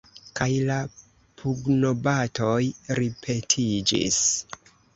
Kaj la pugnobatoj ripetiĝis.